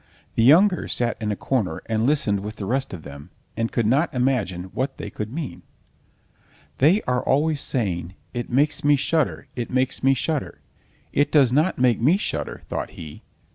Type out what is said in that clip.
the younger sat in a corner and listened with the rest of them, and could not imagine what they could mean. "They are always saying: 'It makes me shudder, it makes me shudder!' It does not make me shudder," thought he.